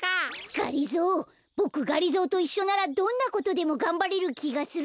がりぞーボクがりぞーといっしょならどんなことでもがんばれるきがする。